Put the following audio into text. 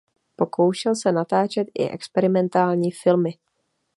Pokoušel se natáčet i experimentální filmy.